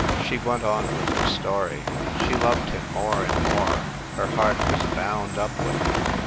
She went on with her story. She loved him more and more. Her heart was bound up with him.